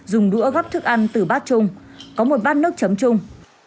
dùng đũa góp thức ăn từ bát chung có một bát nước chấm chung